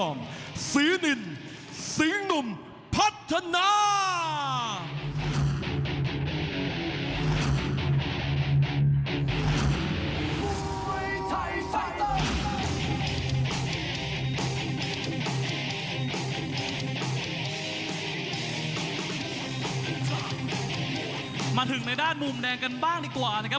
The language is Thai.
มาถึงในด้านมุมแดงกันบ้างดีกว่านะครับ